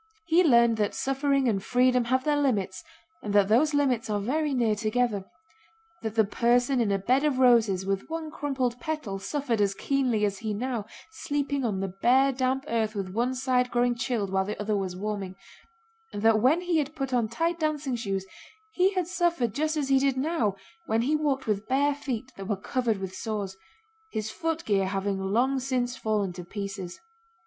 He learned that suffering and freedom have their limits and that those limits are very near together; that the person in a bed of roses with one crumpled petal suffered as keenly as he now, sleeping on the bare damp earth with one side growing chilled while the other was warming; and that when he had put on tight dancing shoes he had suffered just as he did now when he walked with bare feet that were covered with sores—his footgear having long since fallen to pieces.